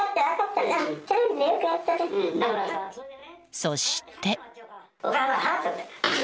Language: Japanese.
そして。